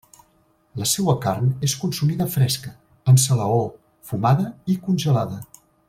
La seua carn és consumida fresca, en salaó, fumada i congelada.